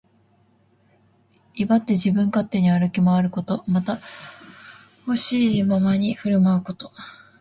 威張って自分勝手に歩き回ること。また、ほしいままに振る舞うこと。